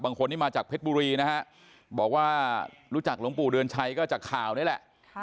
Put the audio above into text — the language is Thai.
คนนี้มาจากเพชรบุรีนะฮะบอกว่ารู้จักหลวงปู่เดือนชัยก็จากข่าวนี่แหละ